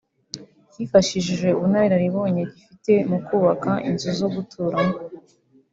cyifashishije ubunararibonye gifite mu kubaka inzu zo guturamo